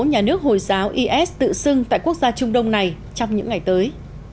nhà nước hồi giáo is tự xưng tại quốc gia trung đông này trong những ngày tới